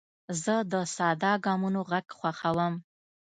زه د ساده ګامونو غږ خوښوم.